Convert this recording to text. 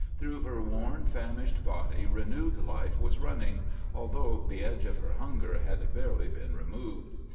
Through her worn, famished body renewed life was running, although the edge of her hunger had barely been removed.